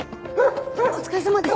お疲れさまです。